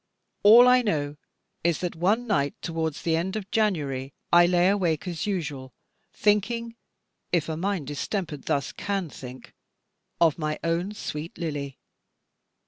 All I know is that one night towards the end of January, I lay awake as usual, thinking if a mind distempered thus can think of my own sweet Lily.